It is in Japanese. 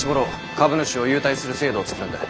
株主を優待する制度を作るんだ。